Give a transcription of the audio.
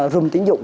rung tín dụng